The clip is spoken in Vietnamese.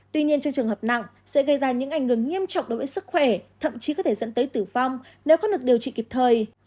tuy nhiên trong trường hợp nặng sẽ gây ra những ảnh hưởng nghiêm trọng đối với sức khỏe thậm chí có thể dẫn tới tử vong nếu không được điều trị kịp thời